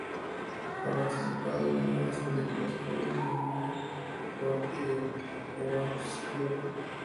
Ha participado en algunas películas como "Minority Report" y "Emperor's Club".